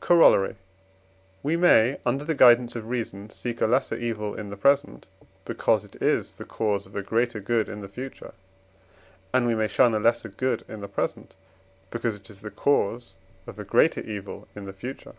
Corollary. We may, under the guidance of reason, seek a lesser evil in the present, because it is the cause of a greater good in the future, and we may shun a lesser good in the present, because it is the cause of a greater evil in the future.